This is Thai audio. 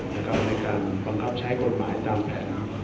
ในการบังคับใช้กฎหมายตามแผน